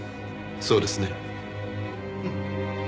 そうですね。